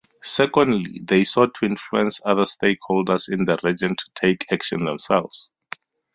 Secondly, they sought to influence other stakeholders in the region to take action themselves.